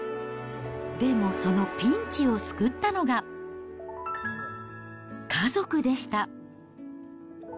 でも、そのピンチを救ったのが、家族でした。